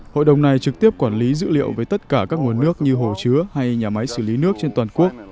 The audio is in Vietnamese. hội đồng này trực tiếp quản lý dữ liệu về tất cả các nguồn nước như hồ chứa hay nhà máy xử lý nước trên toàn quốc